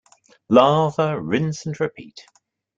Lather, rinse and repeat.